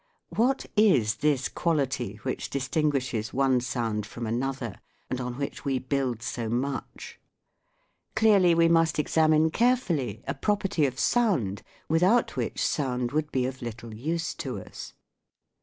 What is this quality which distinguishes one sound from another and on which we build so much ? Clearly we must examine carefully a property of sound without which sound would be of little use to us.